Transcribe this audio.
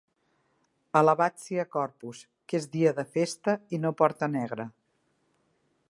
Alabat sia Corpus, que és dia de festa i no porta negra.